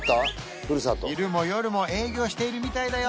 昼も夜も営業しているみたいだよ